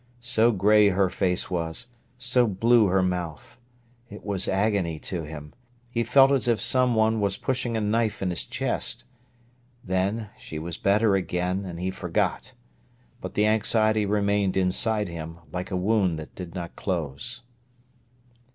So grey her face was, so blue her mouth! It was agony to him. He felt as if someone were pushing a knife in his chest. Then she was better again, and he forgot. But the anxiety remained inside him, like a wound that did not close.